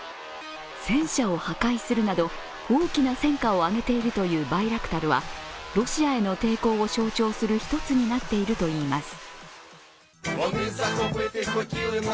戦車を破壊するなど、大きな戦果を上げているというバイラクタルはロシアへの抵抗を象徴する一つになっているといいます。